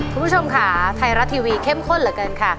คุณผู้ชมค่ะไทยรัฐทีวีเข้มข้นเหลือเกินค่ะ